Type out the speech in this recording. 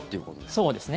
そうですね。